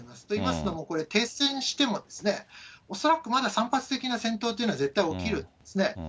といいますのもこれ、停戦しても恐らくまだ散発的な戦闘というのは絶対起きるんですね。